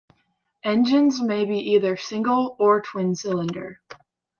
Engines may be either single or twin cylinder.